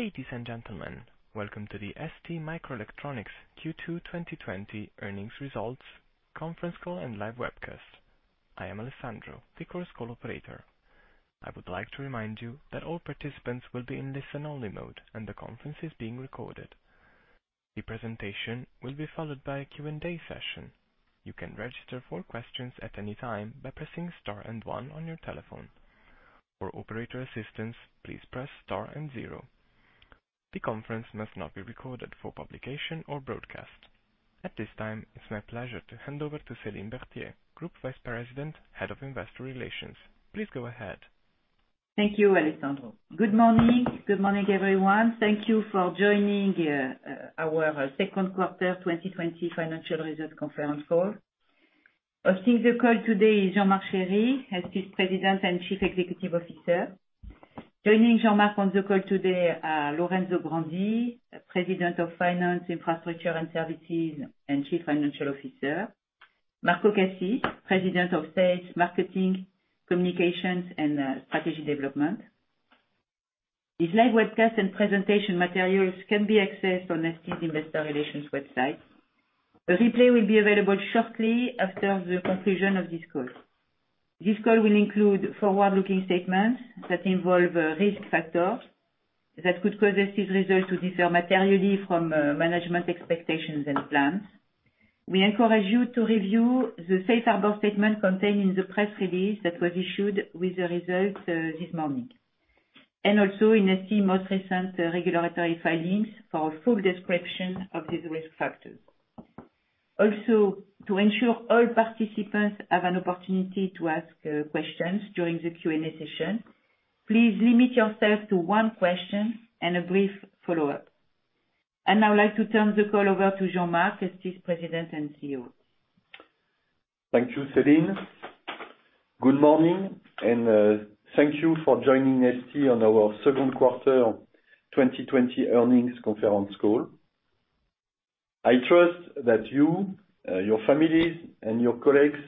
Ladies and gentlemen, welcome to the STMicroelectronics Q2 2020 earnings results conference call and live webcast. I am Alessandro, the conference call operator. I would like to remind you that all participants will be in listen-only mode, and the conference is being recorded. The presentation will be followed by a Q&A session. You can register for questions at any time by pressing star and one on your telephone. For operator assistance, please press star and zero. The conference must not be recorded for publication or broadcast. At this time, it's my pleasure to hand over to Céline Berthier, Group Vice President, Head of Investor Relations. Please go ahead. Thank you, Alessandro. Good morning. Good morning, everyone. Thank you for joining our second quarter 2020 financial results conference call. Hosting the call today is Jean-Marc Chery, ST's President and Chief Executive Officer. Joining Jean-Marc on the call today are Lorenzo Grandi, President of Finance, Infrastructure, and Services and Chief Financial Officer, Marco Cassis, President of Sales, Marketing, Communications, and Strategy Development. This live webcast and presentation materials can be accessed on ST's Investor Relations website. The replay will be available shortly after the conclusion of this call. This call will include forward-looking statements that involve risk factors that could cause ST's results to differ materially from management expectations and plans. We encourage you to review the safe harbor statement contained in the press release that was issued with the results this morning, and also in ST's most recent regulatory filings for a full description of these risk factors. To ensure all participants have an opportunity to ask questions during the Q&A session, please limit yourself to one question and a brief follow-up. I would like to turn the call over to Jean-Marc, ST's President and CEO. Thank you, Céline. Good morning, and thank you for joining ST on our second quarter 2020 earnings conference call. I trust that you, your families, and your colleagues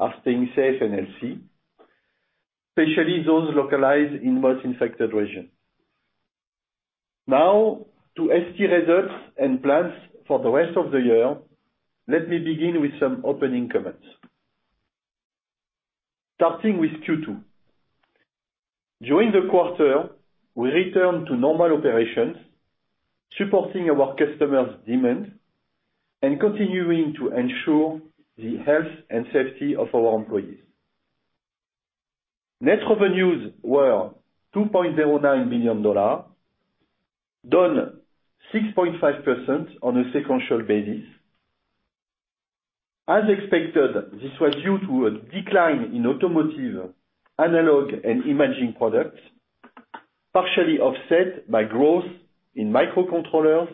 are staying safe and healthy, especially those localized in most infected regions. To ST results and plans for the rest of the year, let me begin with some opening comments. Starting with Q2. During the quarter, we returned to normal operations, supporting our customers' demand and continuing to ensure the health and safety of our employees. Net revenues were $2.09 billion, down 6.5% on a sequential basis. As expected, this was due to a decline in automotive, analog, and imaging products, partially offset by growth in microcontrollers,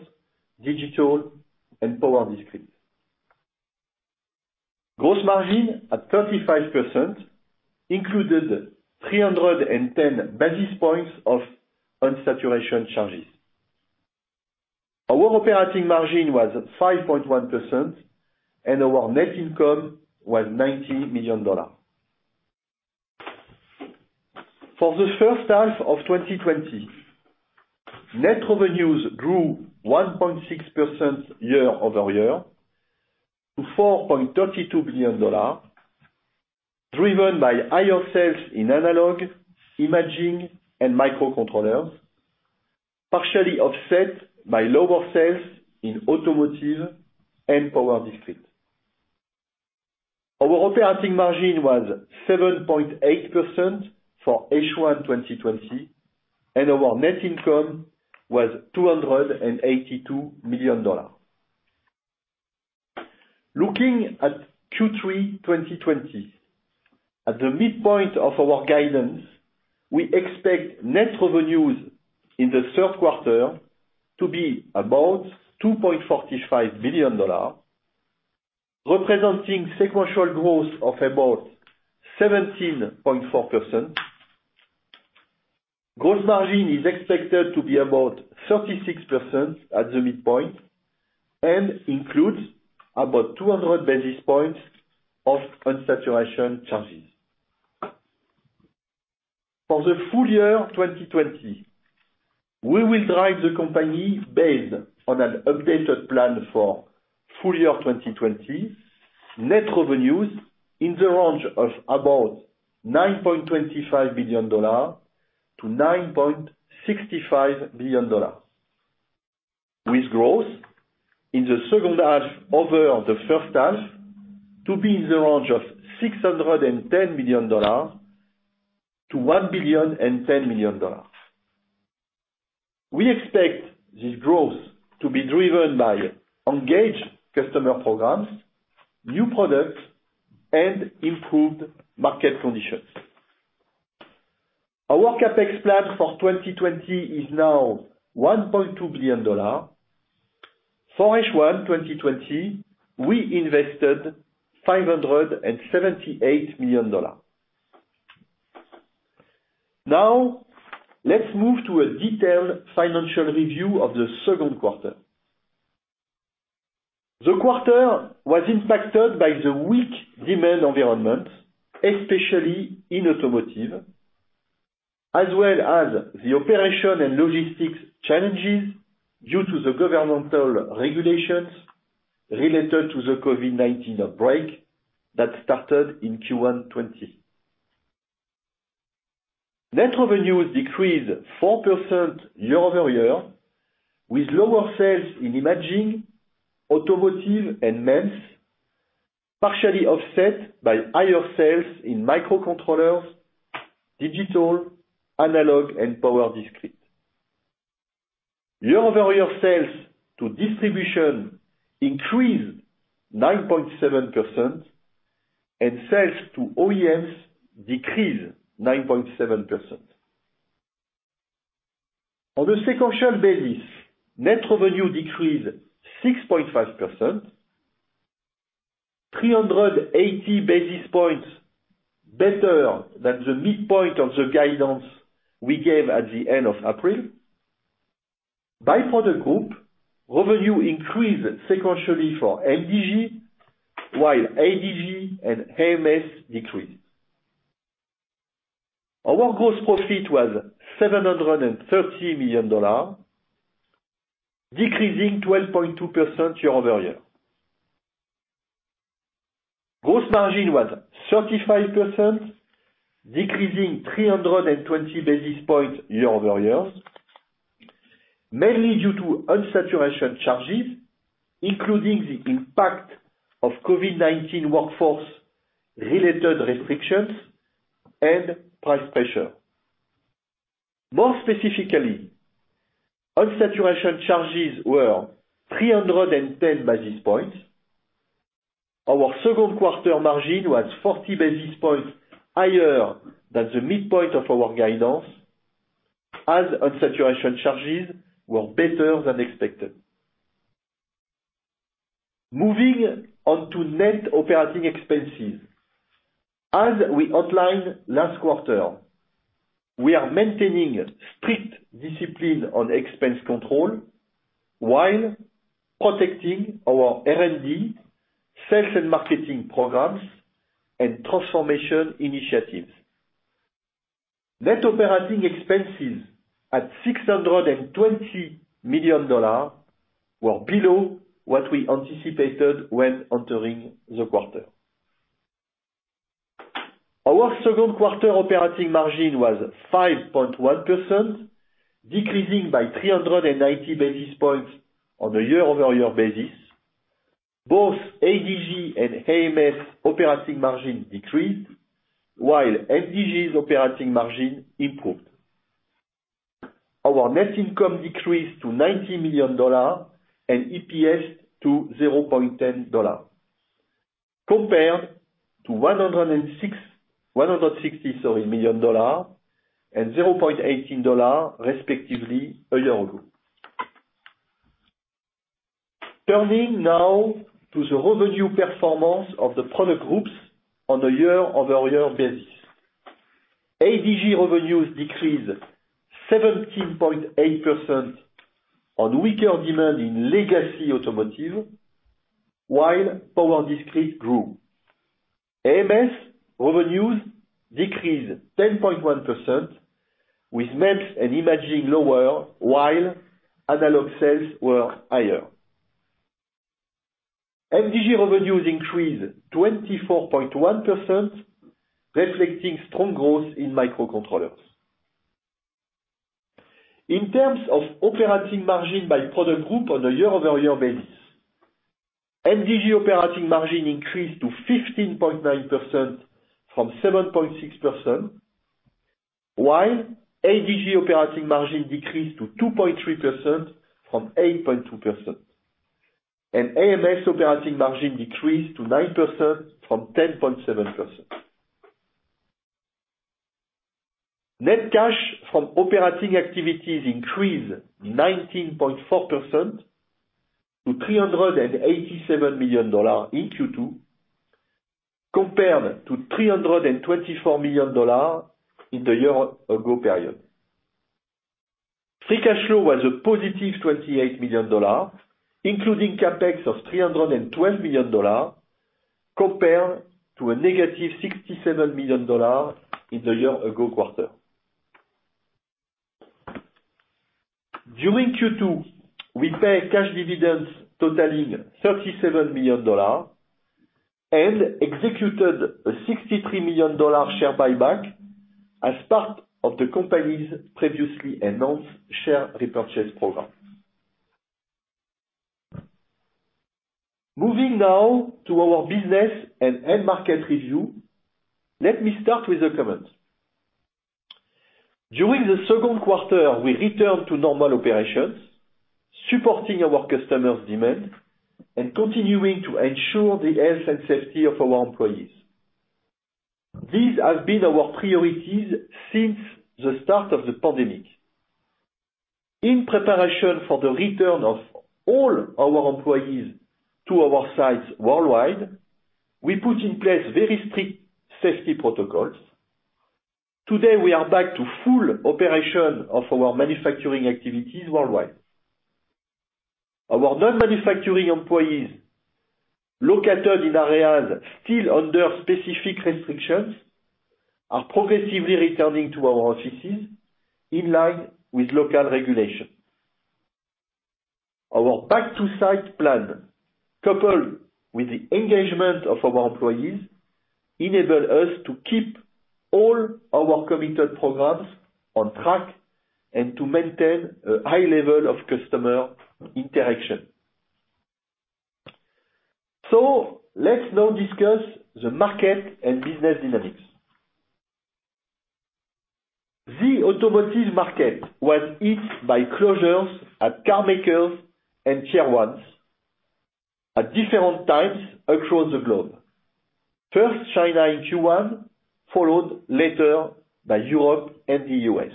digital, and power discrete. Gross margin at 35% included 310 basis points of unsaturation charges. Our operating margin was at 5.1%, and our net income was $90 million. For the first half of 2020, net revenues grew 1.6% year-over-year to $4.32 billion, driven by higher sales in analog, imaging, and microcontrollers, partially offset by lower sales in automotive and power discrete. Our operating margin was 7.8% for H1 2020, and our net income was $282 million. Looking at Q3 2020, at the midpoint of our guidance, we expect net revenues in the third quarter to be about $2.45 billion, representing sequential growth of about 17.4%. Gross margin is expected to be about 36% at the midpoint and includes about 200 basis points of unsaturation charges. For the full year 2020, we will drive the company based on an updated plan for full year 2020, net revenues in the range of about $9.25 billion-$9.65 billion, with growth in the second half over the first half to be in the range of $610 million-$1.01 billion. We expect this growth to be driven by engaged customer programs, new products, and improved market conditions. Our CapEx plan for 2020 is now $1.2 billion. For H1 2020, we invested $578 million. Let's move to a detailed financial review of the second quarter. The quarter was impacted by the weak demand environment, especially in automotive, as well as the operation and logistics challenges due to the governmental regulations related to the COVID-19 outbreak that started in Q1 2020. Net revenues decreased 4% year-over-year, with lower sales in imaging, automotive, and MEMS, partially offset by higher sales in microcontrollers, digital, analog, and power discrete. Year-over-year sales to distribution increased 9.7%. Sales to OEMs decreased 9.7%. On a sequential basis, net revenue decreased 6.5%, 380 basis points better than the midpoint of the guidance we gave at the end of April. By product group, revenue increased sequentially for MDG, while ADG and AMS decreased. Our gross profit was $730 million, decreasing 12.2% year-over-year. Gross margin was 35%, decreasing 320 basis points year-over-year, mainly due to unsaturation charges, including the impact of COVID-19 workforce-related restrictions and price pressure. More specifically, unsaturation charges were 310 basis points. Our second quarter margin was 40 basis points higher than the midpoint of our guidance, as unsaturation charges were better than expected. Moving on to net operating expenses. As we outlined last quarter, we are maintaining strict discipline on expense control while protecting our R&D, sales and marketing programs, and transformation initiatives. Net operating expenses at $620 million were below what we anticipated when entering the quarter. Our second quarter operating margin was 5.1%, decreasing by 390 basis points on a year-over-year basis. Both ADG and AMS operating margin decreased, while MDG's operating margin improved. Our net income decreased to $90 million and EPS to $0.10, compared to $160 million and $0.18, respectively, a year ago. Turning now to the revenue performance of the product groups on a year-over-year basis. ADG revenues decreased 17.8% on weaker demand in legacy automotive, while power discrete grew. AMS revenues decreased 10.1%, with MEMS and imaging lower while analog sales were higher. MDG revenues increased 24.1%, reflecting strong growth in microcontrollers. In terms of operating margin by product group on a year-over-year basis, MDG operating margin increased to 15.9% from 7.6%, while ADG operating margin decreased to 2.3% from 8.2%, and AMS operating margin decreased to 9% from 10.7%. Net cash from operating activities increased 19.4% to $387 million in Q2, compared to $324 million in the year-ago period. Free cash flow was a positive $28 million, including CapEx of $312 million, compared to a negative $67 million in the year-ago quarter. During Q2, we paid cash dividends totaling $37 million and executed a $63 million share buyback as part of the company's previously announced share repurchase program. Moving now to our business and end market review. Let me start with the comments. During the second quarter, we returned to normal operations, supporting our customers' demand and continuing to ensure the health and safety of our employees. These have been our priorities since the start of the pandemic. In preparation for the return of all our employees to our sites worldwide, we put in place very strict safety protocols. Today, we are back to full operation of our manufacturing activities worldwide. Our non-manufacturing employees located in areas still under specific restrictions are progressively returning to our offices, in line with local regulations. Our back-to-site plan, coupled with the engagement of our employees, enabled us to keep all our committed programs on track and to maintain a high level of customer interaction. Let's now discuss the market and business dynamics. The automotive market was hit by closures at car makers and Tier 1s at different times across the globe. First China in Q1, followed later by Europe and the U.S.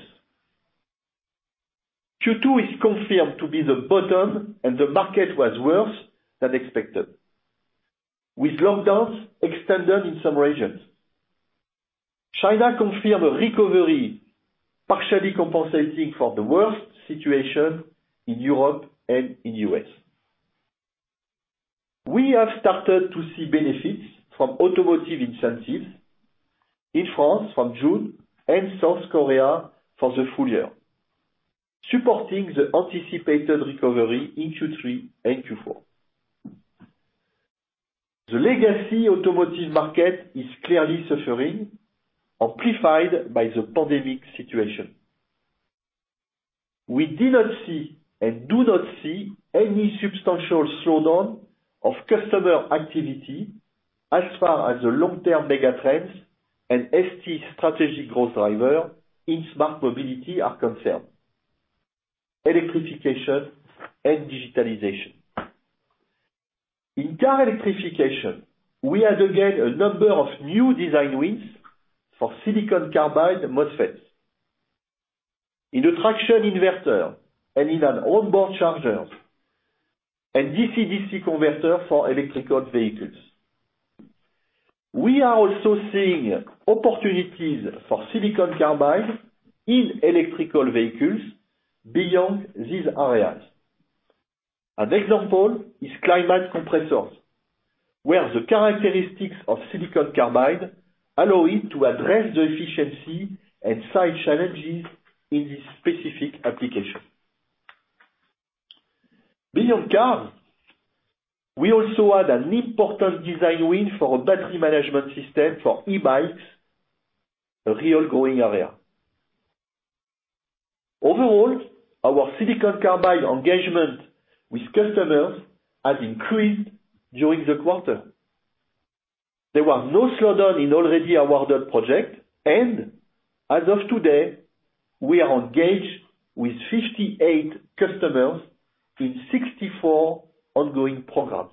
Q2 is confirmed to be the bottom, and the market was worse than expected, with lockdowns extended in some regions. China confirmed a recovery, partially compensating for the worst situation in Europe and in the U.S. We have started to see benefits from automotive incentives in France from June and South Korea for the full year, supporting the anticipated recovery in Q3 and Q4. The legacy automotive market is clearly suffering, amplified by the pandemic situation. We did not see, and do not see any substantial slowdown of customer activity as far as the long-term mega trends and ST strategic growth driver in smart mobility are concerned, electrification and digitalization. In car electrification, we had, again, a number of new design wins for silicon carbide MOSFETs. In a traction inverter and in an onboard charger, and DC-DC converter for electrical vehicles. We are also seeing opportunities for silicon carbide in electrical vehicles beyond these areas. An example is climate compressors, where the characteristics of silicon carbide allow it to address the efficiency and size challenges in this specific application. Beyond cars, we also had an important design win for a battery management system for e-bikes, a real growing area. Overall, our silicon carbide engagement with customers has increased during the quarter. There were no slowdown in already awarded project, and as of today, we are engaged with 58 customers in 64 ongoing programs.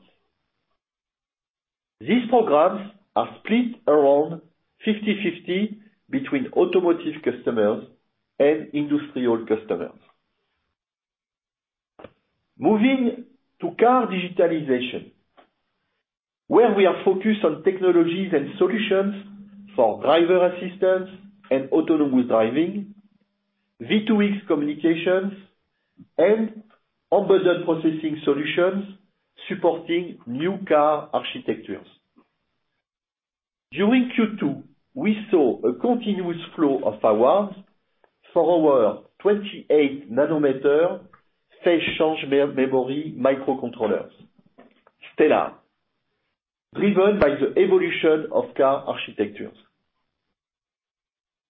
These programs are split around 50/50 between automotive customers and industrial customers. Moving to car digitalization, where we are focused on technologies and solutions for driver assistance and autonomous driving, V2X communications, and embedded processing solutions supporting new car architectures. During Q2, we saw a continuous flow of awards for our 28 nm phase-change memory microcontrollers, Stellar, driven by the evolution of car architectures.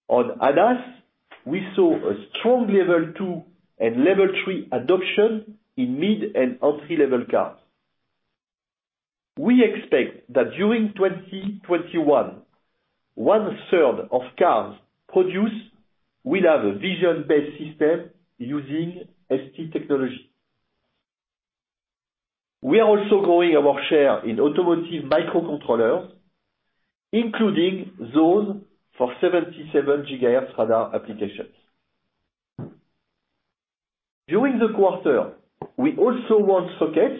On ADAS, we saw a strong Level 2 and Level 3 adoption in mid and entry-level cars. We expect that during 2021, 1/3 of cars produced will have a vision-based system using ST technology. We are also growing our share in automotive microcontrollers, including those for 77 GHz radar applications. During the quarter, we also won sockets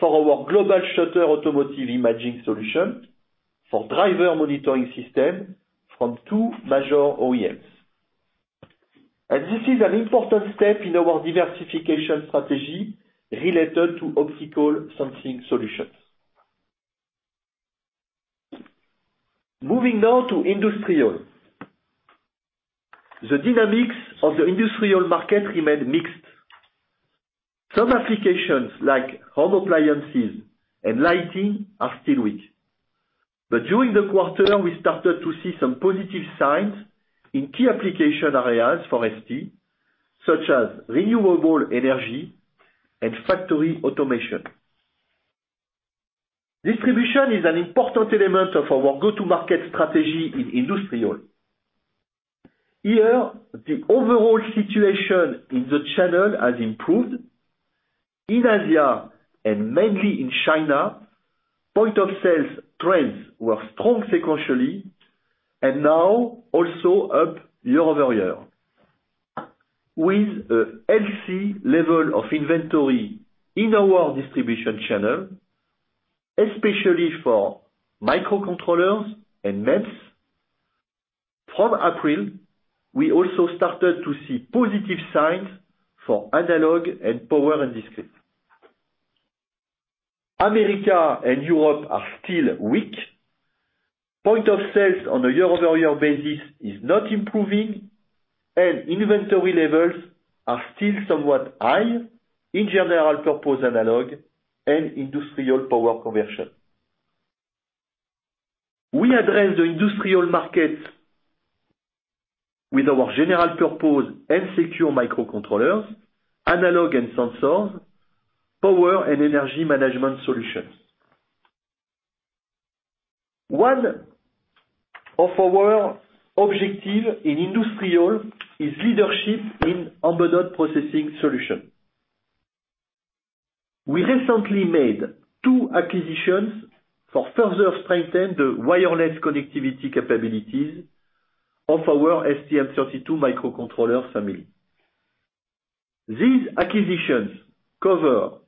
for our global shutter automotive imaging solution for driver monitoring system from two major OEMs. This is an important step in our diversification strategy related to obstacle sensing solutions. Moving now to industrial. The dynamics of the industrial market remained mixed. Some applications, like home appliances and lighting, are still weak. During the quarter, we started to see some positive signs in key application areas for ST, such as renewable energy and factory automation. Distribution is an important element of our go-to-market strategy in industrial. Here, the overall situation in the channel has improved. In Asia, and mainly in China, point of sales trends were strong sequentially, and now also up year-over-year. With a healthy level of inventory in our distribution channel, especially for microcontrollers and MEMS. From April, we also started to see positive signs for analog and power and discrete. America and Europe are still weak. Point of sales on a year-over-year basis is not improving, and inventory levels are still somewhat high in general purpose analog and industrial power conversion. We address the industrial market with our general purpose and secure microcontrollers, analog and sensors, power and energy management solutions. One of our objective in industrial is leadership in embedded processing solution. We recently made two acquisitions for further strengthen the wireless connectivity capabilities of our STM32 microcontroller family. These acquisitions cover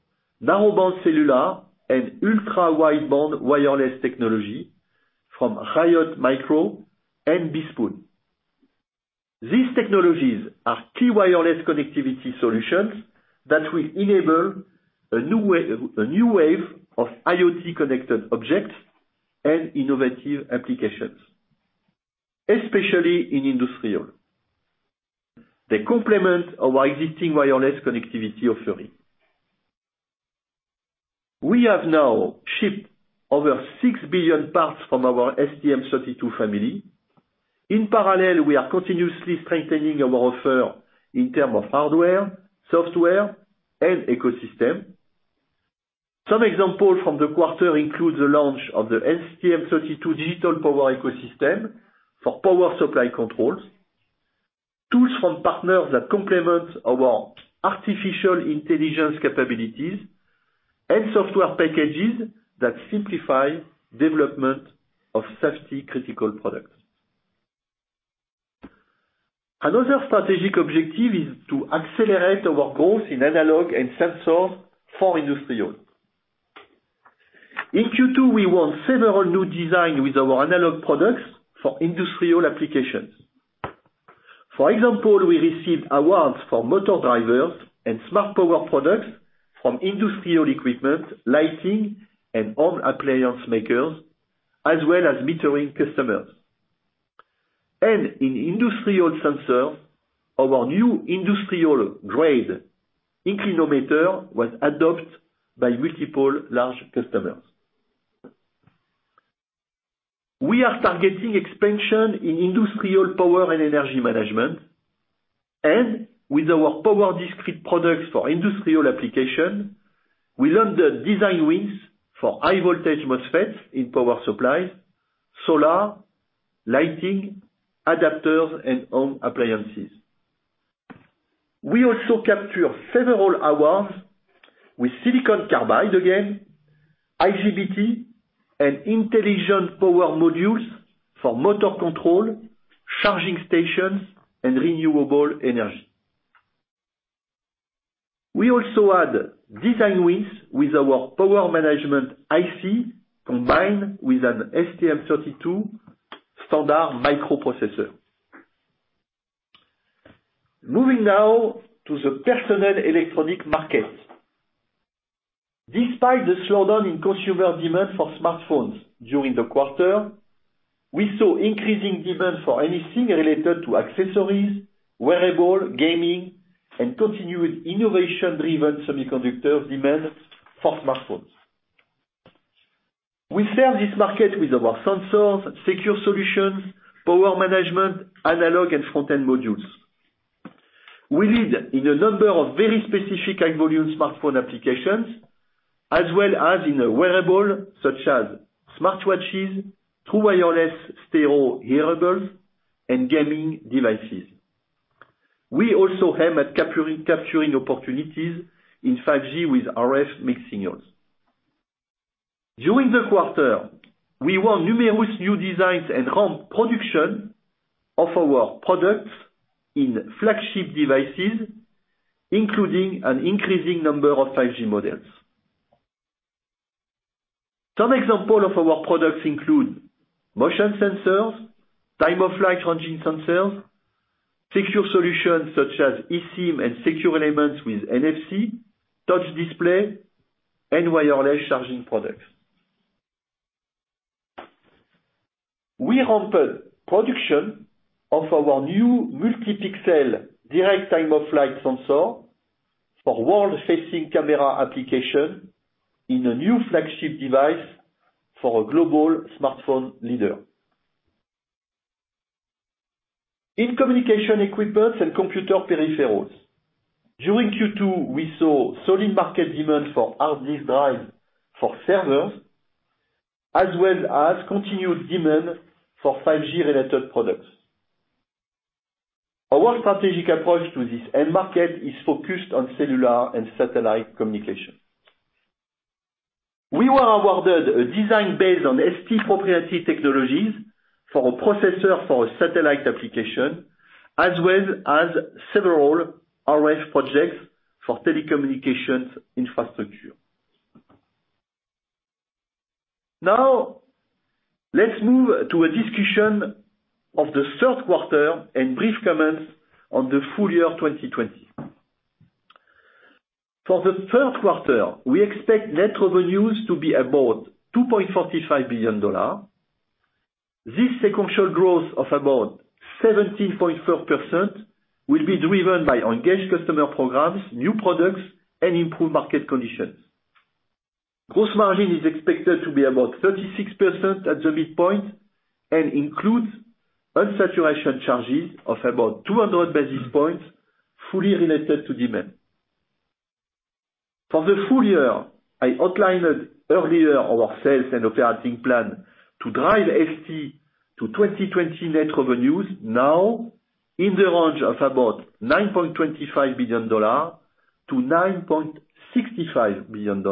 narrowband cellular and ultra-wideband wireless technology from Riot Micro and BeSpoon. These technologies are key wireless connectivity solutions that will enable a new wave of IoT connected objects and innovative applications, especially in industrial. They complement our existing wireless connectivity offering. We have now shipped over six billion parts from our STM32 family. In parallel, we are continuously strengthening our offer in term of hardware, software, and ecosystem. Some example from the quarter includes the launch of the STM32 digital power ecosystem for power supply controls, tools from partners that complement our artificial intelligence capabilities, and software packages that simplify development of safety-critical products. Another strategic objective is to accelerate our growth in analog and sensors for industrial. In Q2, we won several new designs with our analog products for industrial applications. For example, we received awards for motor drivers and smart power products from industrial equipment, lighting, and home appliance makers, as well as metering customers. In industrial sensors, our new industrial-grade inclinometer was adopted by multiple large customers. We are targeting expansion in industrial power and energy management, and with our power discrete products for industrial applications, we earned the design wins for high voltage MOSFET in power supply, solar, lighting, adapters, and home appliances. We also captured several awards with silicon carbide, IGBT, and intelligent power modules for motor control, charging stations, and renewable energy. We also added design wins with our power management IC combined with an STM32 standard microprocessor. Moving now to the personal electronics market. Despite the slowdown in consumer demand for smartphones during the quarter, we saw increasing demand for anything related to accessories, wearables, gaming, and continued innovation-driven semiconductor demand for smartphones. We serve this market with our sensors, secure solutions, power management, analog, and front-end modules. We lead in a number of very specific high-volume smartphone applications, as well as in wearables such as smartwatches, True Wireless Stereo hearables, and gaming devices. We also aim at capturing opportunities in 5G with RF mixed signals. During the quarter, we won numerous new designs and ramp production of our products in flagship devices, including an increasing number of 5G models. Some examples of our products include motion sensors, Time-of-Flight ranging sensors, secure solutions such as eSIM and secure elements with NFC, touch display, and wireless charging products. We ramped production of our new multi-pixel direct Time-of-Flight sensor for world-facing camera application in a new flagship device for a global smartphone leader. In communication equipment and computer peripherals, during Q2, we saw solid market demand for hard disk drive for servers, as well as continued demand for 5G-related products. Our strategic approach to this end market is focused on cellular and satellite communication. We were awarded a design based on ST proprietary technologies for a processor for a satellite application, as well as several RF projects for telecommunications infrastructure. Let's move to a discussion of the third quarter and brief comments on the full year 2020. For the third quarter, we expect net revenues to be about $2.45 billion. This sequential growth of about 17.4% will be driven by engaged customer programs, new products, and improved market conditions. Gross margin is expected to be about 36% at the midpoint and includes unsaturation charges of about 200 basis points, fully related to demand. For the full year, I outlined earlier our sales and operating plan to drive ST to 2020 net revenues now in the range of about $9.25 billion-$9.65 billion.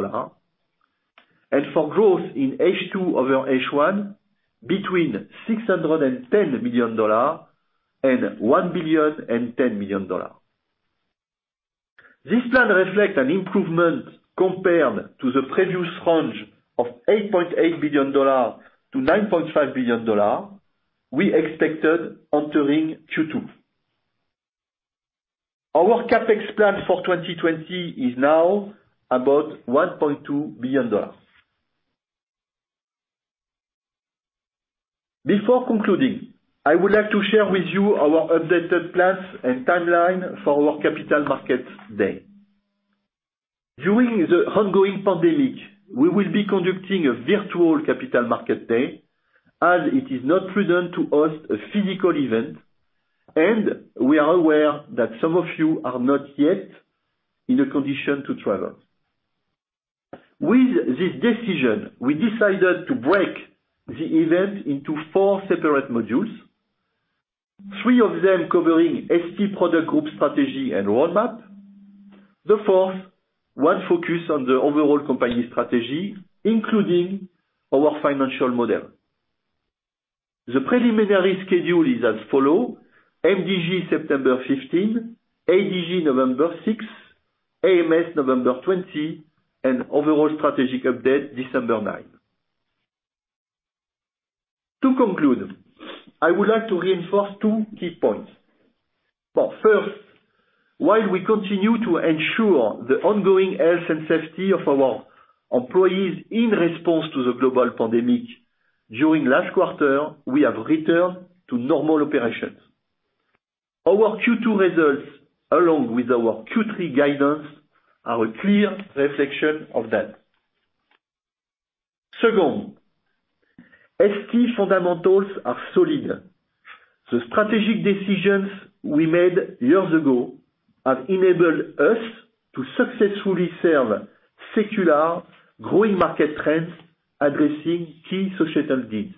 For growth in H2 over H1, between $610 million and $1 billion and $10 million. This plan reflects an improvement compared to the previous range of $8.8 billion-$9.5 billion we expected entering Q2. Our CapEx plan for 2020 is now about $1.2 billion. Before concluding, I would like to share with you our updated plans and timeline for our Capital Markets Day. During the ongoing pandemic, we will be conducting a virtual Capital Markets Day, as it is not prudent to host a physical event, and we are aware that some of you are not yet in a condition to travel. With this decision, we decided to break the event into four separate modules. Three of them covering ST product group strategy and roadmap. The fourth will focus on the overall company strategy, including our financial model. The preliminary schedule is as follows: MDG, September 15, ADG, November 6, AMS, November 20, and overall strategic update, December 9. To conclude, I would like to reinforce two key points. First, while we continue to ensure the ongoing health and safety of our employees in response to the global pandemic, during last quarter, we have returned to normal operations. Our Q2 results, along with our Q3 guidance, are a clear reflection of that. Second, ST fundamentals are solid. The strategic decisions we made years ago have enabled us to successfully serve secular growing market trends addressing key societal needs.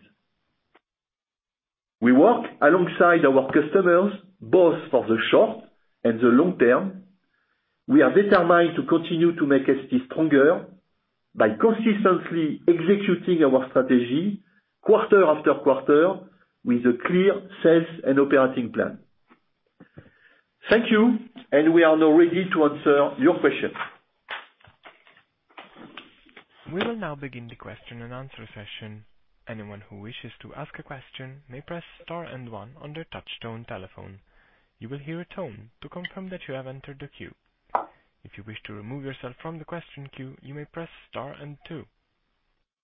We work alongside our customers, both for the short and the long term. We are determined to continue to make ST stronger by consistently executing our strategy quarter after quarter with a clear sales and operating plan. Thank you. We are now ready to answer your questions. We will now begin the question and answer session. Anyone who wishes to ask a question may press star and one on their touchtone telephone. You will hear a tone to confirm that you have entered the queue. If you wish to remove yourself from the question queue, you may press star and two.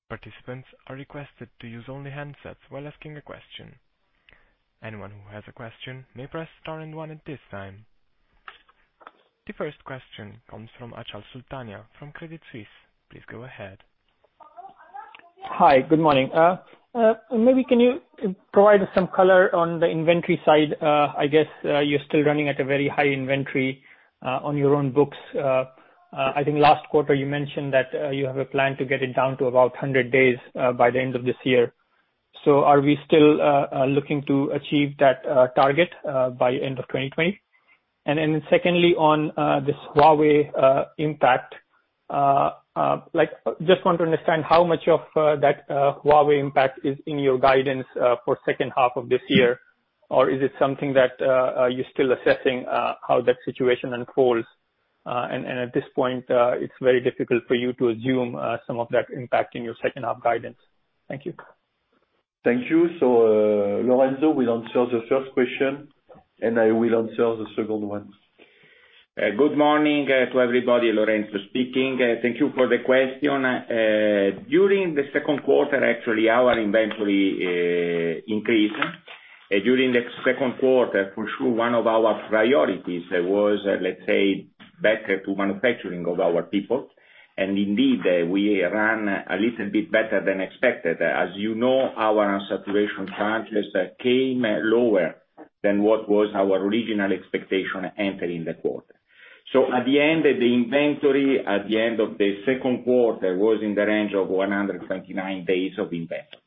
Participants are requested to use only handsets while asking a question. Anyone who has a question may press star and one at this time. The first question comes from Achal Sultania from Credit Suisse. Please go ahead. Hi. Good morning. Maybe can you provide some color on the inventory side? I guess you're still running at a very high inventory on your own books. I think last quarter you mentioned that you have a plan to get it down to about 100 days, by the end of this year. Are we still looking to achieve that target by end of 2020? Secondly, on this Huawei impact. Just want to understand how much of that Huawei impact is in your guidance for second half of this year? Is it something that you're still assessing how that situation unfolds, and at this point, it's very difficult for you to assume some of that impact in your second half guidance? Thank you. Thank you. Lorenzo will answer the first question, and I will answer the second one. Good morning to everybody, Lorenzo speaking. Thank you for the question. During the second quarter, actually, our inventory increased. During the second quarter, for sure one of our priorities was, let's say, back to manufacturing of our people. Indeed, we ran a little bit better than expected. As you know, our unsaturation charges came lower than what was our original expectation entering the quarter. At the end of the inventory, at the end of the second quarter, was in the range of 129 days of inventory.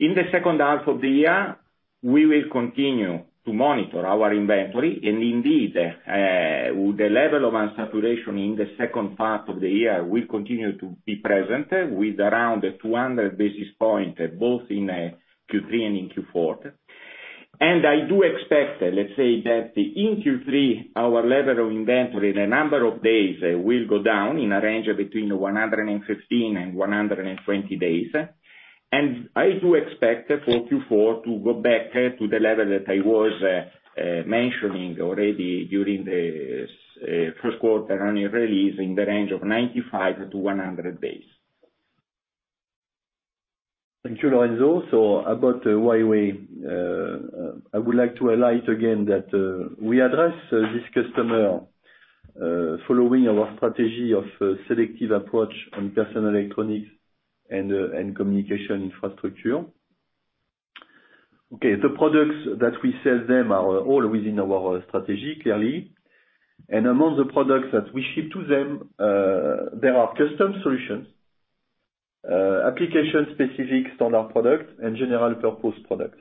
In the second half of the year, we will continue to monitor our inventory. Indeed, the level of unsaturation in the second part of the year will continue to be present with around 200 basis points, both in Q3 and in Q4. I do expect, let's say that in Q3, our level of inventory, the number of days will go down in a range of between 115 and 120 days. I do expect for Q4 to go back to the level that I was mentioning already during the first quarter earnings release in the range of 95-100 days. Thank you, Lorenzo. About Huawei, I would like to highlight again that we address this customer following our strategy of selective approach on personal electronics and communication infrastructure. Okay. The products that we sell them are all within our strategy, clearly. Among the products that we ship to them, there are custom solutions, application-specific standard products, and general-purpose products.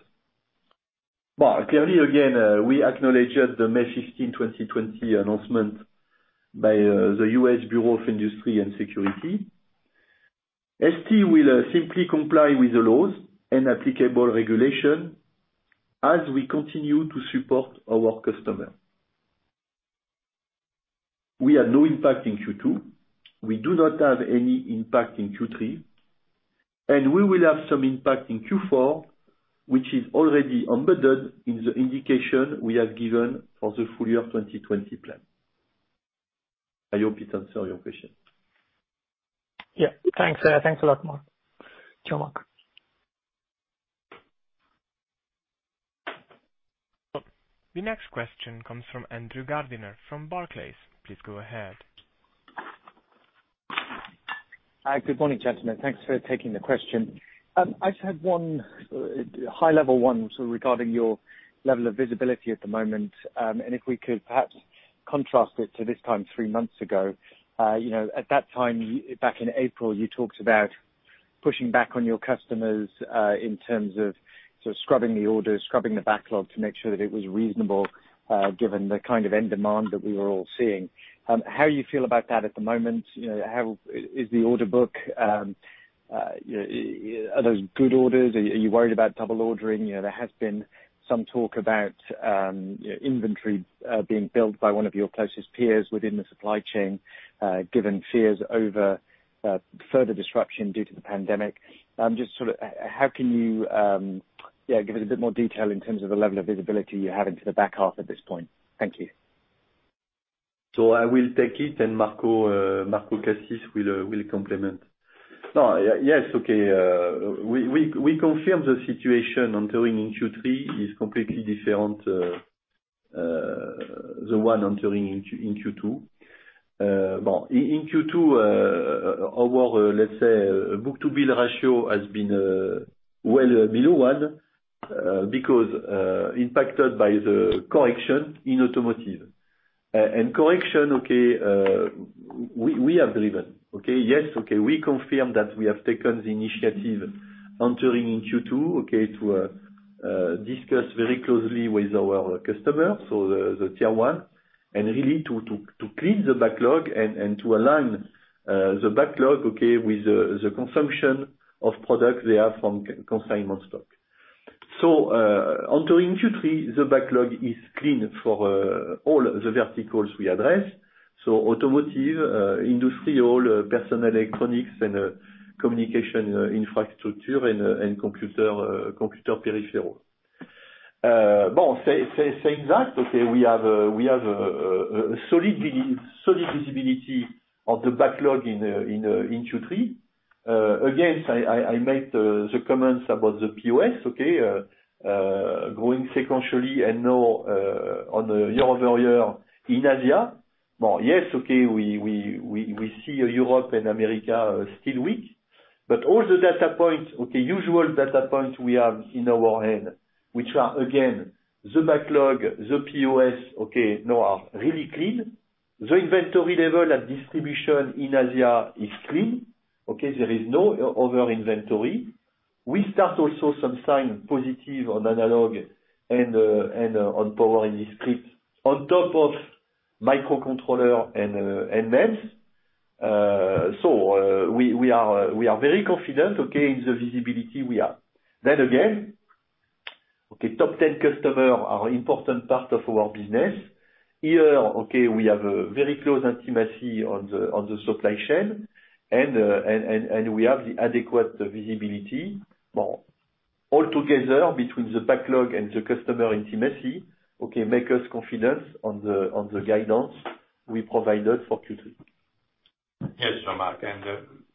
Clearly, again, we acknowledged the May 15, 2020 announcement by the U.S. Bureau of Industry and Security. ST will simply comply with the laws and applicable regulation as we continue to support our customer. We had no impact in Q2, we do not have any impact in Q3, and we will have some impact in Q4, which is already embedded in the indication we have given for the full year 2020 plan. I hope it answers your question. Yeah. Thanks a lot, Marc. Jean-Marc. The next question comes from Andrew Gardiner from Barclays. Please go ahead. Hi. Good morning, gentlemen. Thanks for taking the question. I just had one high-level one regarding your level of visibility at the moment, and if we could perhaps contrast it to this time three months ago. At that time, back in April, you talked about pushing back on your customers, in terms of sort of scrubbing the orders, scrubbing the backlog to make sure that it was reasonable, given the kind of end demand that we were all seeing. How you feel about that at the moment? Are those good orders? Are you worried about double ordering? There has been some talk about inventory being built by one of your closest peers within the supply chain, given fears over further disruption due to the pandemic. Just sort of, how can you give us a bit more detail in terms of the level of visibility you have into the back half at this point? Thank you. I will take it, and Marco Cassis will complement. Yes, okay. We confirm the situation entering in Q3 is completely different, the one entering in Q2. In Q2, our book-to-bill ratio has been well below one, because impacted by the correction in automotive. Correction, okay, we have driven. Yes, okay, we confirm that we have taken the initiative entering in Q2 to discuss very closely with our customers, so the Tier 1, and really to clean the backlog and to align the backlog with the consumption of products they have from consignment stock. Entering Q3, the backlog is clean for all the verticals we address. Automotive, industrial, personal electronics, and communication infrastructure and computer peripheral. Saying that, okay, we have a solid visibility of the backlog in Q3. Again, I made the comments about the POS, okay, growing sequentially and now on a year-over-year in Asia. Yes, we see Europe and America still weak. All the data points, usual data points we have in our hand, which are again, the backlog, the POS, now are really clean. The inventory level at distribution in Asia is clean. There is no over inventory. We start also some sign positive on analog and on power discrete on top of microcontroller and MEMS. We are very confident in the visibility we have. Again, top 10 customer are important part of our business. Here, we have a very close intimacy on the supply chain and we have the adequate visibility. All together, between the backlog and the customer intimacy, make us confident on the guidance we provided for Q3. Yes, Jean-Marc,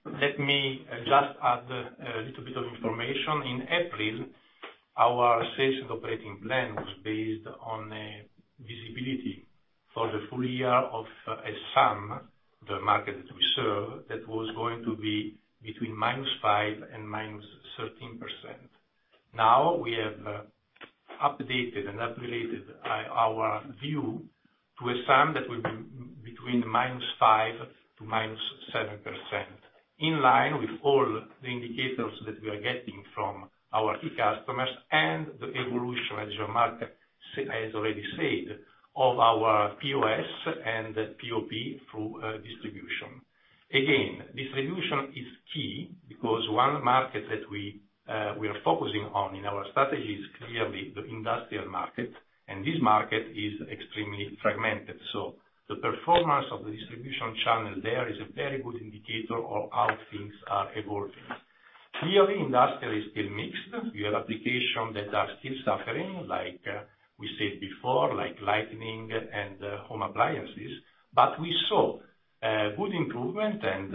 let me just add a little bit of information. In April, our sales and operating plan was based on a visibility for the full year of a SAM, the market that we serve, that was going to be between -5% and -13%. Updated our view to a SAM that will be between -5% to -7%, in line with all the indicators that we are getting from our key customers and the evolution, as Jean-Marc has already said, of our POS and POP through distribution. Distribution is key because one market that we are focusing on in our strategy is the industrial market, and this market is extremely fragmented. The performance of the distribution channel there is a very good indicator of how things are evolving. Industrial is still mixed. We have applications that are still suffering, like we said before, like lighting and home appliances. We saw good improvement and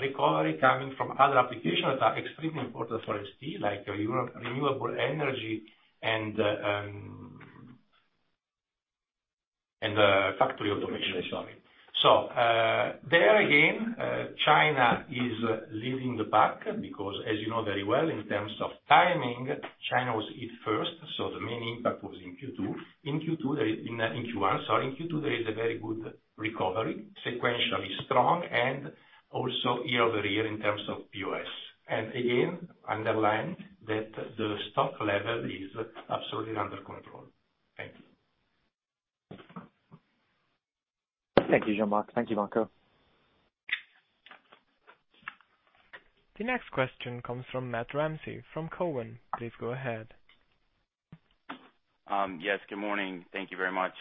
recovery coming from other applications that are extremely important for ST, like renewable energy and factory automation, sorry. There again, China is leading the pack because, as you know very well, in terms of timing, China was hit first, so the main impact was in Q1. In Q2, there is a very good recovery, sequentially strong and also year-over-year in terms of POS. Again, underline that the stock level is absolutely under control. Thank you. Thank you, Jean-Marc. Thank you, Marco. The next question comes from Matt Ramsay from Cowen. Please go ahead. Yes, good morning. Thank you very much.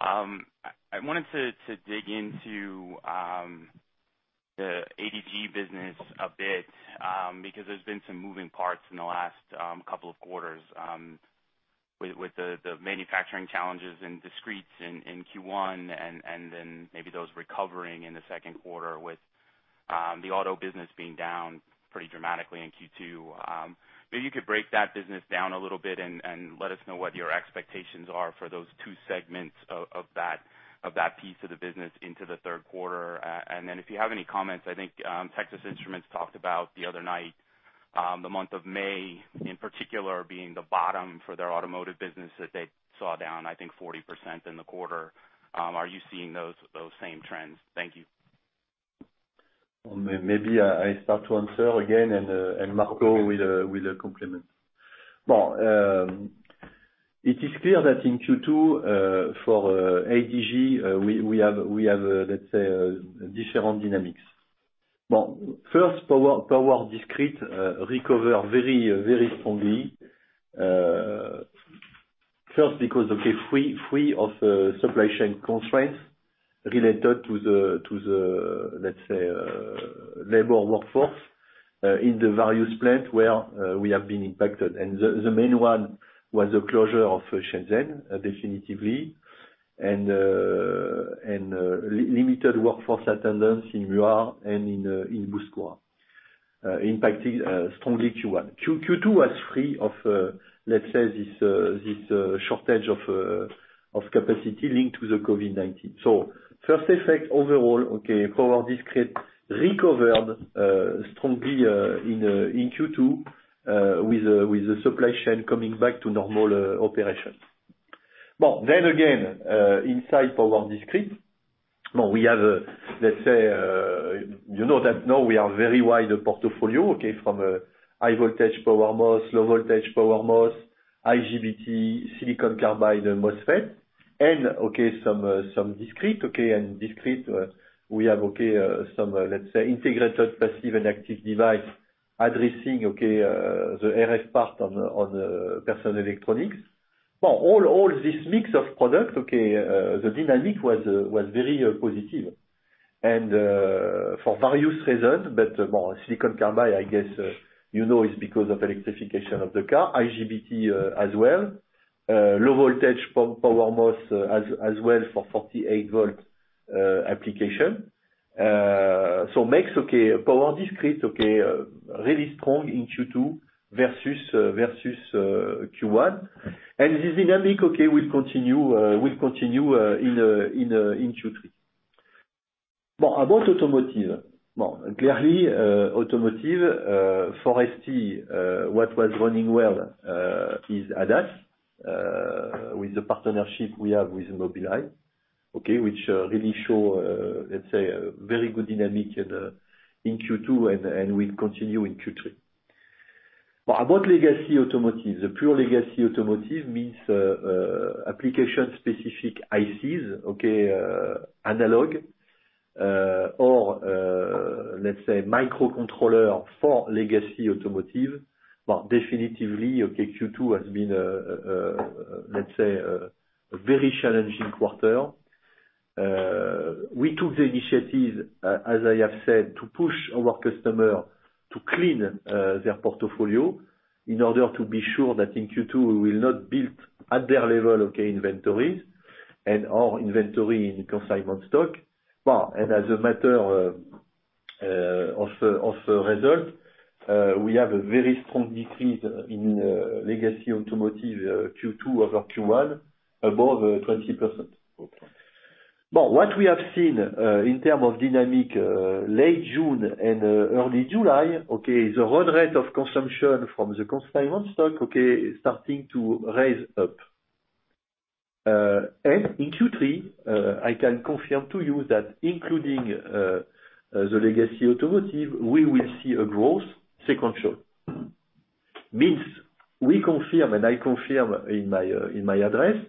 I wanted to dig into the ADG business a bit, because there's been some moving parts in the last couple of quarters with the manufacturing challenges and discretes in Q1, and then maybe those recovering in the second quarter with the auto business being down pretty dramatically in Q2. Maybe you could break that business down a little bit and let us know what your expectations are for those two segments of that piece of the business into the third quarter. If you have any comments, I think Texas Instruments talked about the other night, the month of May in particular being the bottom for their automotive business that they saw down, I think, 40% in the quarter. Are you seeing those same trends? Thank you. Maybe I start to answer again, and Marco will complement. It is clear that in Q2, for ADG, we have, let's say, different dynamics. Power discrete recover very strongly. Because, okay, free of supply chain constraints related to the, let's say, labor workforce in the various plant where we have been impacted. The main one was the closure of Shenzhen definitively and limited workforce attendance in Muar and in Bouskoura, impacting strongly Q1. Q2 was free of, let's say, this shortage of capacity linked to the COVID-19. First effect overall, okay, power discrete recovered strongly in Q2 with the supply chain coming back to normal operations. Again, inside power discrete, we have, let's say, you know that now we have very wide portfolio, okay, from a high voltage power MOS, low voltage power MOS, IGBT, silicon carbide MOSFET, and some discrete. Discrete, we have some, let's say, integrated passive and active device addressing the RF part on the personal electronics. All this mix of product, the dynamic was very positive. For various reasons, silicon carbide, I guess you know, is because of electrification of the car, IGBT as well, low voltage power MOS as well for 48-volt application. Makes power discrete really strong in Q2 versus Q1. This dynamic will continue in Q3. About automotive. Clearly, automotive for ST, what was running well is ADAS, with the partnership we have with Mobileye, which really show, let's say, a very good dynamic in Q2 and will continue in Q3. About legacy automotive, the pure legacy automotive means application-specific ICs, analog or let's say, microcontroller for legacy automotive. Definitively, Q2 has been, let's say, a very challenging quarter. We took the initiative, as I have said, to push our customer to clean their portfolio in order to be sure that in Q2, we will not build at their level inventories and our inventory in consignment stock. As a matter of result, we have a very strong decrease in legacy automotive Q2 over Q1, above 20%. What we have seen in terms of dynamic late June and early July, the run rate of consumption from the consignment stock, starting to raise up. In Q3, I can confirm to you that including the legacy automotive, we will see a growth sequential. Means we confirm, and I confirm in my address,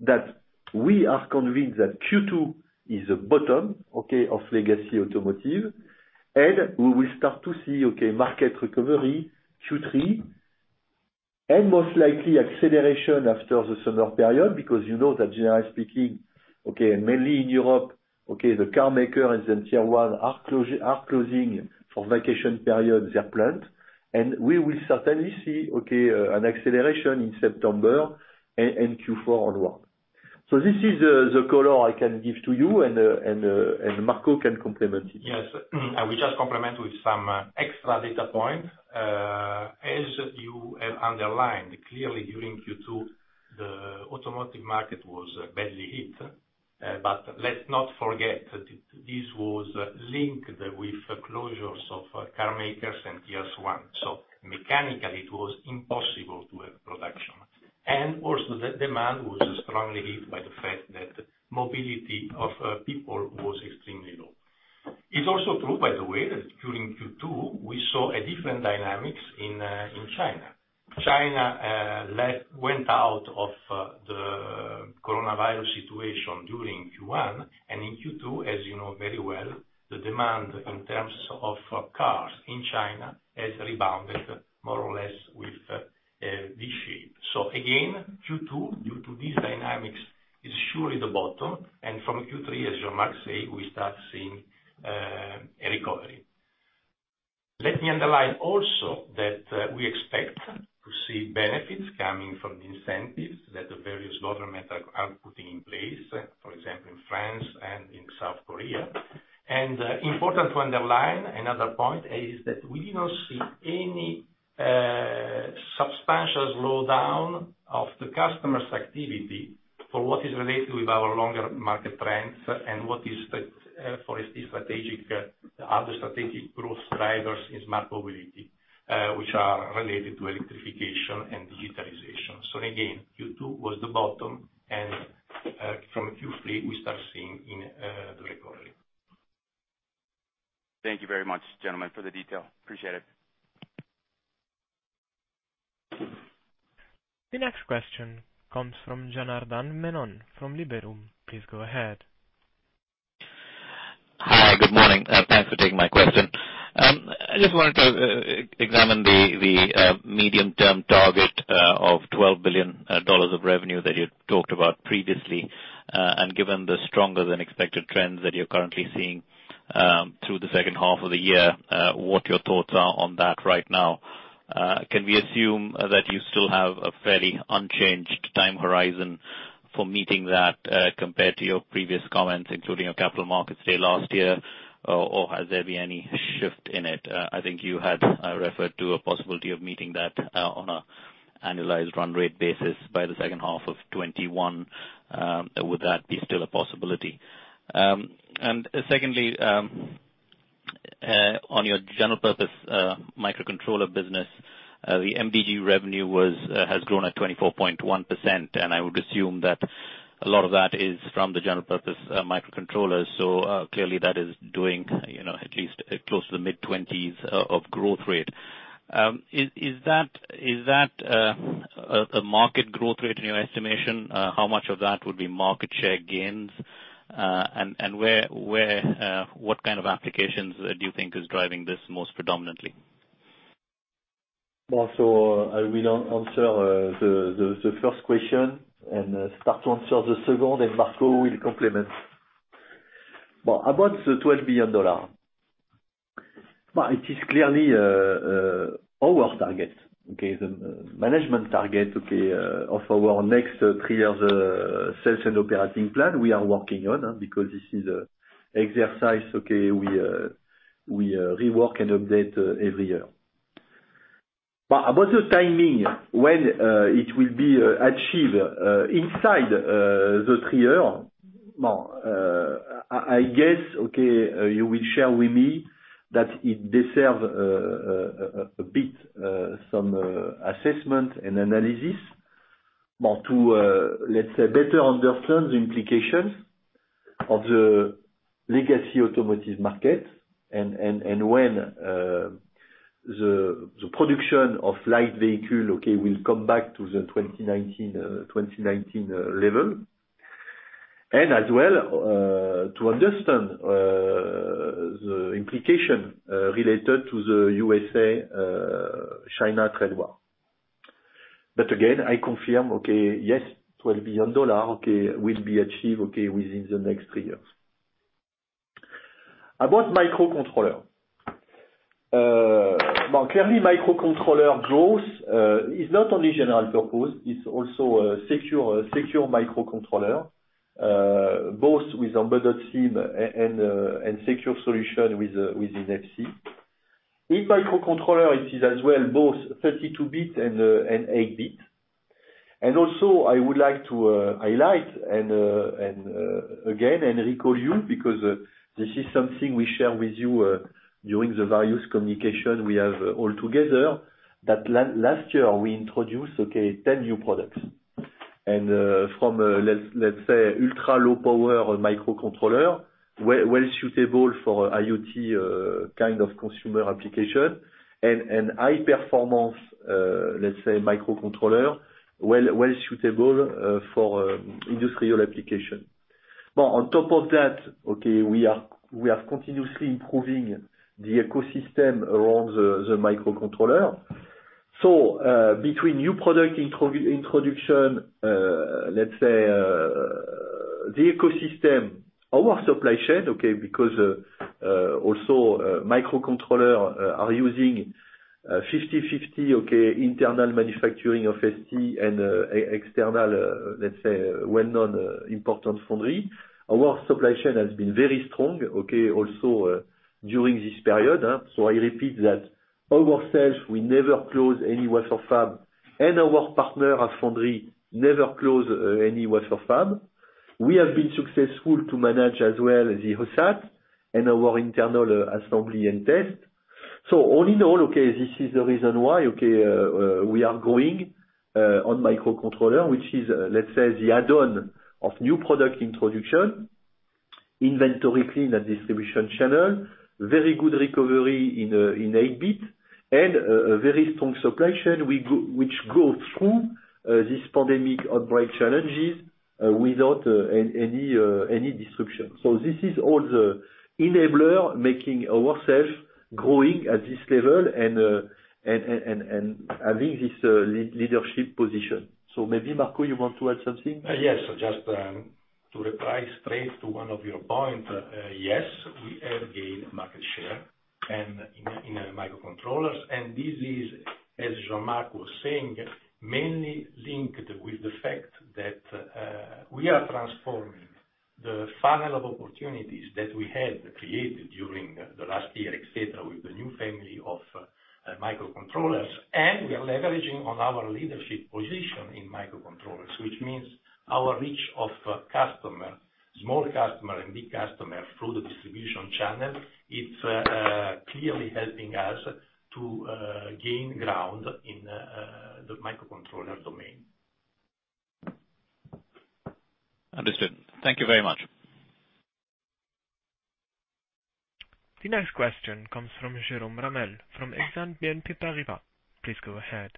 that we are convinced that Q2 is the bottom of legacy automotive, and we will start to see market recovery Q3, and most likely acceleration after the summer period, because you know that generally speaking, mainly in Europe, the car maker and then Tier 1 are closing for vacation period their plant. We will certainly see an acceleration in September and in Q4 onward. This is the color I can give to you, and Marco can complement it. Yes. I will just complement with some extra data point. As you have underlined, clearly during Q2, the automotive market was badly hit. Let's not forget that this was linked with closures of car makers and Tier 1. Mechanically, it was impossible to have production. Also the demand was strongly hit by the fact that mobility of people was extremely low. It's also true, by the way, that during Q2, we saw a different dynamics in China. China went out of the COVID-19 situation during Q1, and in Q2, as you know very well, the demand in terms of cars in China has rebounded more or less with this shape. Again, Q2, due to these dynamics, is surely the bottom, and from Q3, as Jean-Marc says, we start seeing a recovery. Let me underline also that we expect to see benefits coming from the incentives that the various governments are putting in place, for example, in France and in South Korea. Important to underline, another point is that we do not see any substantial slowdown of the customer's activity for what is related with our longer market trends and what is for other strategic growth drivers in smart mobility, which are related to electrification and digitization. Again, Q2 was the bottom, and from Q3, we start seeing the recovery. Thank you very much, gentlemen, for the detail. Appreciate it. The next question comes from Janardan Menon from Liberum. Please go ahead. Hi, good morning. Thanks for taking my question. I just wanted to examine the medium-term target of $12 billion of revenue that you talked about previously, and given the stronger than expected trends that you're currently seeing through the second half of the year, what your thoughts are on that right now. Can we assume that you still have a fairly unchanged time horizon for meeting that compared to your previous comments, including your Capital Markets Day last year, or has there been any shift in it? I think you had referred to a possibility of meeting that on an annualized run rate basis by the second half of 2021. Would that be still a possibility? Secondly, on your general purpose microcontroller business, the MDG revenue has grown at 24.1%, and I would assume that a lot of that is from the general purpose microcontrollers. Clearly that is doing at least close to the mid-twenties of growth rate. Is that a market growth rate in your estimation? How much of that would be market share gains? And what kind of applications do you think is driving this most predominantly? I will answer the first question and start to answer the second, and Marco will complement. The $12 billion. It is clearly our target. The management target of our next three years sales and operating plan we are working on, because this is exercise, we rework and update every year. About the timing, when it will be achieved inside the three years, I guess you will share with me that it deserves a bit, some assessment and analysis to, let's say, better understand the implications of the legacy automotive market and when the production of light vehicle will come back to the 2019 level. As well, to understand the implication related to the U.S.A., China trade war. Again, I confirm, yes, $12 billion will be achieved within the next three years. Microcontroller. Clearly, microcontroller growth is not only general purpose, it's also a secure microcontroller, both with embedded SIM and secure solution within ST microcontroller, it is as well both 32-bit and 8-bit. Also, I would like to highlight and recall you, because this is something we share with you during the various communication we have all together, that last year we introduced 10 new products. From, let's say, ultra-low power microcontroller, well suitable for IoT kind of consumer application, and high performance, let's say, microcontroller, well suitable for industrial application. On top of that, okay, we are continuously improving the ecosystem around the microcontroller. Between new product introduction, let's say, the ecosystem, our supply chain, okay, because also microcontroller are using 50/50, internal manufacturing of ST and external, let's say, well-known important foundry. Our supply chain has been very strong also during this period. I repeat that ourselves, we never close any wafer fab, and our partner at foundry never close any wafer fab. We have been successful to manage as well the OSAT and our internal assembly and test. All in all, okay, this is the reason why we are growing on microcontroller, which is, let's say, the add-on of new product introduction, inventory clean at distribution channel, very good recovery in 8-bit, and a very strong supply chain, which go through this pandemic outbreak challenges without any disruption. This is all the enabler making ourselves growing at this level and having this leadership position. Maybe, Marco, you want to add something? Yes. Just to reply straight to one of your points. Yes, we have gained market share and in microcontrollers, and this is, as Jean-Marc was saying, mainly linked with the fact that we are transforming the funnel of opportunities that we had created during the last year, et cetera, with the new family of microcontrollers. We are leveraging on our leadership position in microcontrollers, which means our reach of customer, small customer and big customer through the distribution channel, it's clearly helping us to gain ground in the microcontroller domain. Understood. Thank you very much. The next question comes from Jerome Ramel, from Exane BNP Paribas. Please go ahead.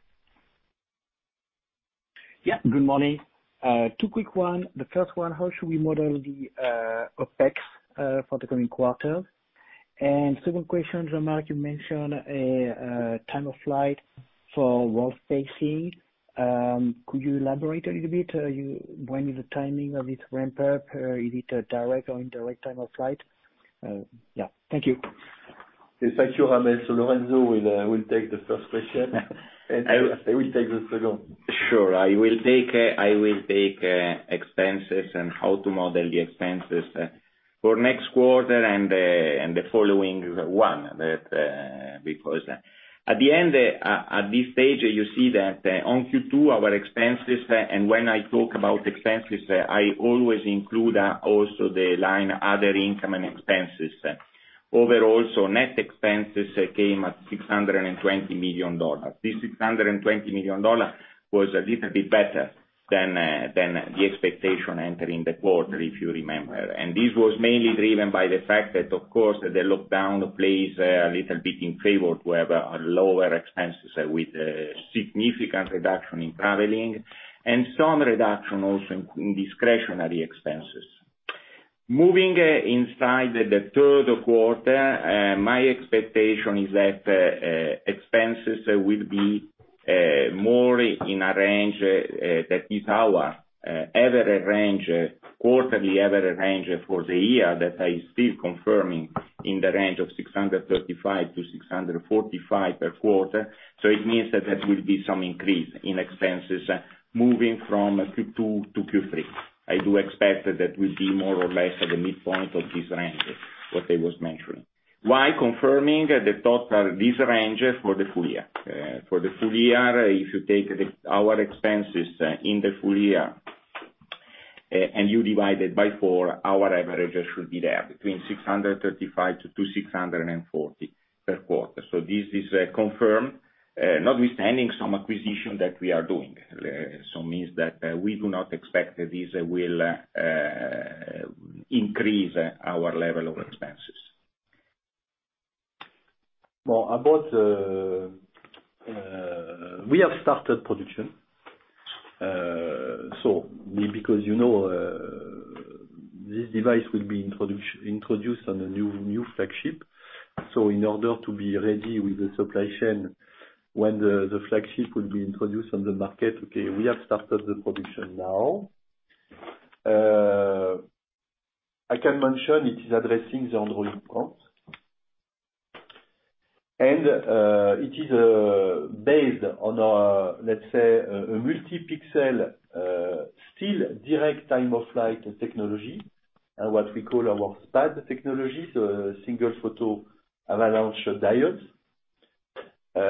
Yeah, good morning. Two quick one. The first one, how should we model the OpEx for the coming quarter? Second question, Jean-Marc, you mentioned a Time-of-Flight for world-facing. Could you elaborate a little bit? When is the timing of its ramp-up? Is it a direct or indirect Time-of-Flight? Yeah. Thank you. Yes, thank you, Ramel. Lorenzo will take the first question, and I will take the second. Sure. I will take expenses and how to model the expenses for next quarter and the following one. At the end, at this stage, you see that on Q2, our expenses, and when I talk about expenses, I always include also the line other income and expenses. Overall, net expenses came at $620 million. This $620 million was a little bit better than the expectation entering the quarter, if you remember. This was mainly driven by the fact that, of course, the lockdown plays a little bit in favor to have a lower expenses with a significant reduction in traveling and some reduction also in discretionary expenses. Moving inside the third quarter, my expectation is that expenses will be more in a range that is our average range, quarterly average range for the year, that I still confirming in the range of $635 million-$645 million per quarter. It means that there will be some increase in expenses moving from Q2 to Q3. I do expect that will be more or less at the midpoint of this range, what I was mentioning, while confirming the total this range for the full year. For the full year, if you take our expenses in the full year and you divide it by four, our average should be there between $635 million-$640 million per quarter. This is confirmed, notwithstanding some acquisition that we are doing. It means that we do not expect this will increase our level of expenses. We have started production. Because this device will be introduced on a new flagship. In order to be ready with the supply chain when the flagship will be introduced on the market, okay, we have started the production now. I can mention it is addressing the Android account. It is based on our, let's say, a multi-pixel still direct Time-of-Flight technology, and what we call our SPAD technology, so a single-photon avalanche diode. I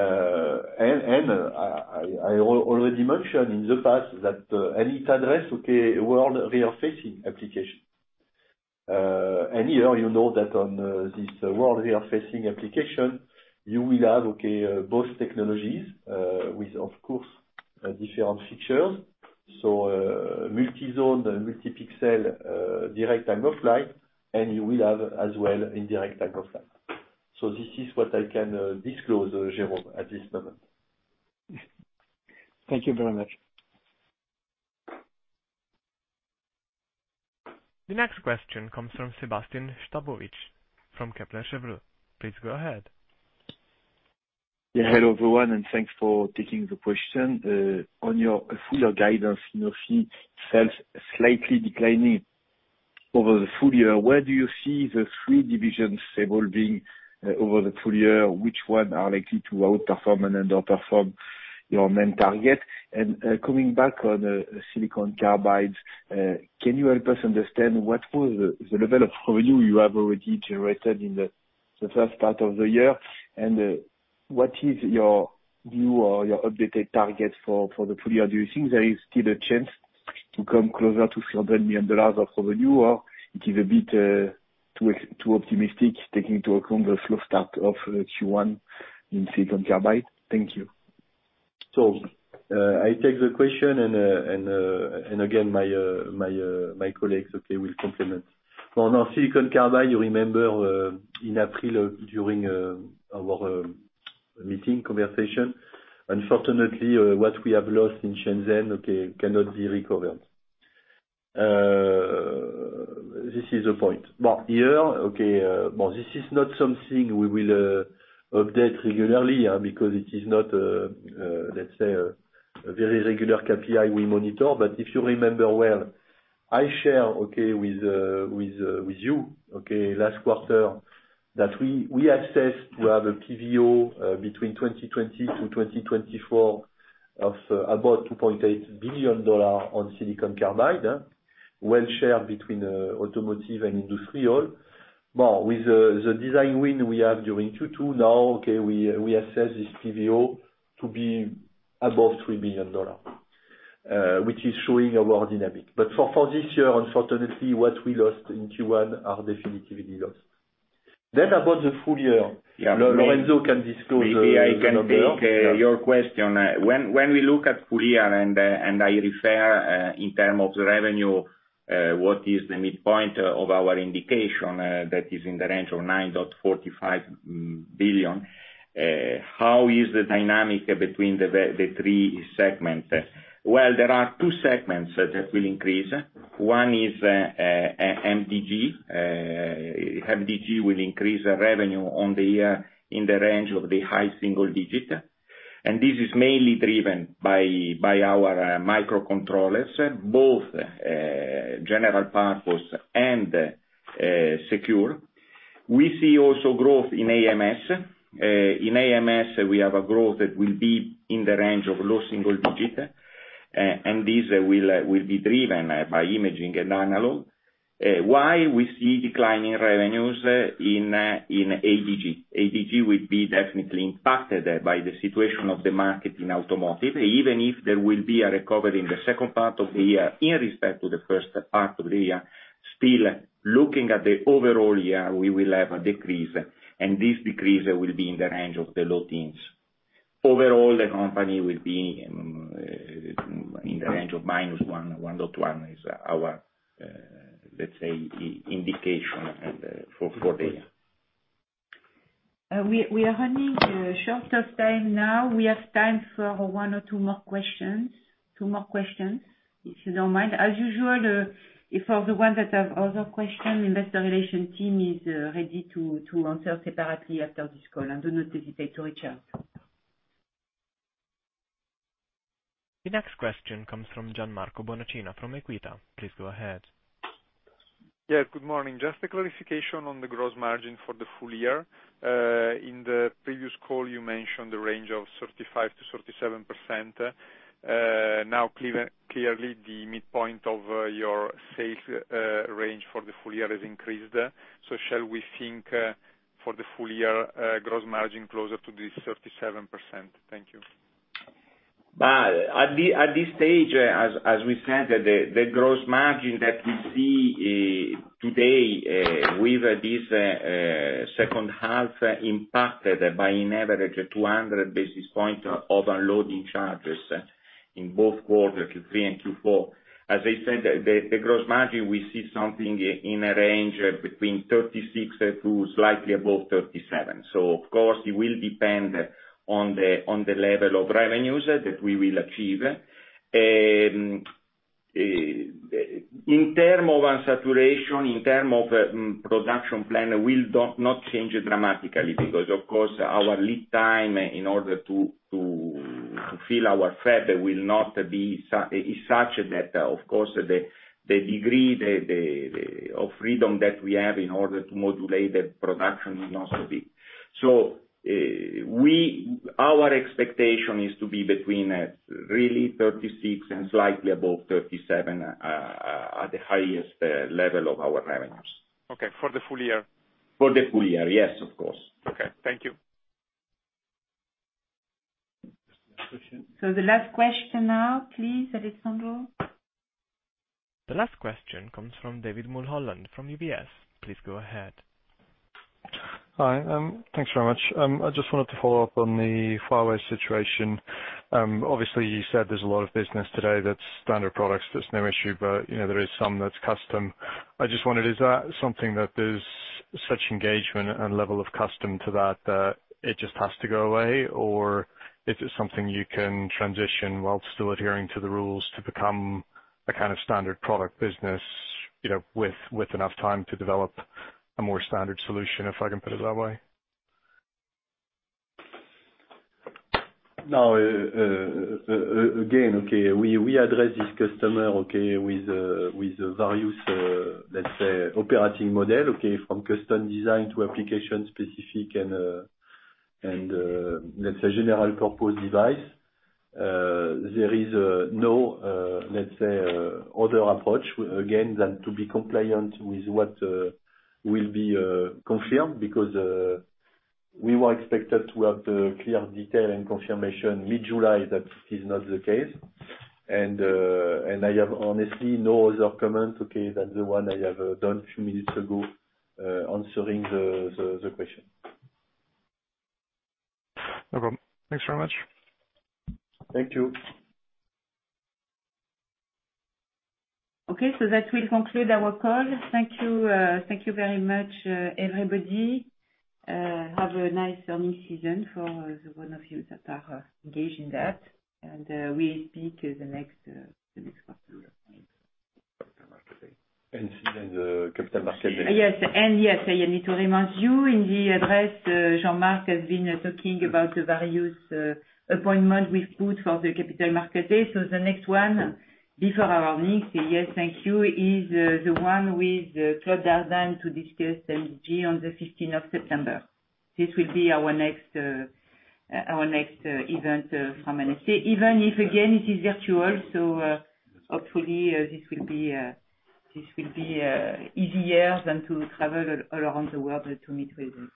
already mentioned in the past that and it address, okay, world rear-facing application. Here you know that on this world rear-facing application, you will have, okay, both technologies, with of course, different features. Multi-zone and multi-pixel direct Time-of-Flight, and you will have as well indirect Time-of-Flight. This is what I can disclose, Jerome, at this moment. Thank you very much. The next question comes from Sébastien Sztabowicz from Kepler Cheuvreux. Please go ahead. Yeah. Hello, everyone, and thanks for taking the question. On your full-year guidance, we see sales slightly declining over the full year. Where do you see the three divisions evolving over the full year? Which one are likely to outperform and underperform your main target? Coming back on silicon carbide, can you help us understand what was the level of revenue you have already generated in the first part of the year? What is your view or your updated target for the full year? Do you think there is still a chance to come closer to $300 million of revenue, or it is a bit too optimistic taking into account the slow start of Q1 in silicon carbide? Thank you. I take the question and again, my colleagues, okay, will complement. For now, silicon carbide, you remember, in April during our meeting conversation, unfortunately, what we have lost in Shenzhen, okay, cannot be recovered. This is a point. Here, okay, well, this is not something we will update regularly because it is not, let's say, a very regular KPI we monitor. If you remember well, I share, okay, with you, okay, last quarter that we assessed to have a PVO between 2020-2024 of about $2.8 billion on silicon carbide well-shared between automotive and industrial. With the design win we have during Q2 now, okay, we assess this PVO to be above $3 billion, which is showing our dynamic. For this year, unfortunately, what we lost in Q1 are definitively lost. About the full year Lorenzo can disclose. Maybe I can take your question. When we look at full year, and I refer in term of the revenue, what is the midpoint of our indication, that is in the range of $9.45 billion, how is the dynamic between the three segments? Well, there are two segments that will increase. One is MDG. MDG will increase the revenue on the year in the range of the high single digit, and this is mainly driven by our microcontrollers, both general purpose and secure. We see also growth in AMS. In AMS, we have a growth that will be in the range of low single digit. This will be driven by imaging and analog. Why we see declining revenues in ADG? ADG will be definitely impacted by the situation of the market in automotive, even if there will be a recovery in the second part of the year in respect to the first part of the year. Looking at the overall year, we will have a decrease, and this decrease will be in the range of the low teens. Overall, the company will be in the range of -1%, 1.1% is our, let's say, indication for the year. We are running short of time now. We have time for one or two more questions. Two more questions, if you don't mind. As usual, if for the ones that have other question, Investor Relations team is ready to answer separately after this call and do not hesitate to reach out. The next question comes from Gianmarco Bonacina from Equita. Please go ahead. Yeah. Good morning. Just a clarification on the gross margin for the full year. In the previous call you mentioned the range of 35%-37%. Clearly the midpoint of your safe range for the full year has increased. Shall we think for the full year gross margin closer to the 37%? Thank you. At this stage, as we said, the gross margin that we see today with this second half impacted by an average of 200 basis points overloading charges in both quarter Q3 and Q4. As I said, the gross margin, we see something in a range between 36% to slightly above 37%. Of course, it will depend on the level of revenues that we will achieve. In terms of unsaturation, in terms of production plan, we will not change it dramatically because, of course, our lead time in order to [feel our threat] will not be such that, of course, the degree of freedom that we have in order to modulate the production will not be. Our expectation is to be between really 36% and slightly above 37% at the highest level of our revenues. Okay, for the full year? For the full year. Yes, of course. Okay. Thank you. The last question now, please, Alessandro. The last question comes from David Mulholland from UBS. Please go ahead. Hi. Thanks very much. I just wanted to follow up on the Huawei situation. Obviously, you said there's a lot of business today that's standard products, that's no issue. There is some that's custom. I just wondered, is that something that there's such engagement and level of custom to that it just has to go away? If it's something you can transition while still adhering to the rules to become a kind of standard product business with enough time to develop a more standard solution, if I can put it that way? No. Again, we address this customer with various operating model. From custom design to application-specific and general purpose device. There is no other approach than to be compliant with what will be confirmed. We were expected to have the clear detail and confirmation mid-July, that is not the case. I have honestly no other comment than the one I have done a few minutes ago, answering the question. No problem. Thanks very much. Thank you. Okay, that will conclude our call. Thank you. Thank you very much, everybody. Have a nice earnings season for the one of you that are engaged in that. We'll speak the next quarter. The Capital Markets Day. Yes. Yes, I need to remind you in the address, Jean-Marc has been talking about the various appointments we've put for the Capital Markets Day. The next one before our next, yes, thank you, is the one with Claude Dardanne to discuss MDG on September 15th. This will be our next event from NFC. Even if again, it is virtual, so hopefully this will be easier than to travel all around the world to meet with us.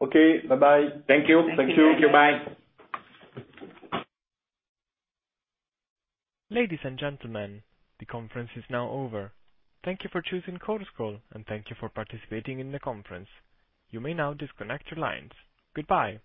Okay. Bye bye. Thank you. Thank you. Thank you. Goodbye. Ladies and gentlemen, the conference is now over. Thank you for choosing Conference Call, and thank you for participating in the conference. You may now disconnect your lines. Goodbye.